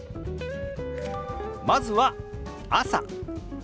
まずは「朝」。